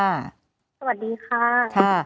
สวัสดีค่ะ